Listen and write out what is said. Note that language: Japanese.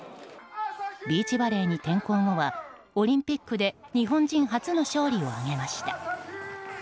ビーチバレーに転向後はオリンピックで日本人初の勝利を挙げました。